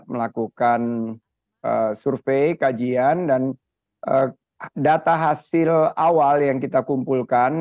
melakukan survei kajian dan data hasil awal yang kita kumpulkan